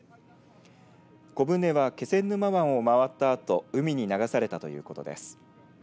小舟は、気仙沼湾を回ったあと海に流されたということです。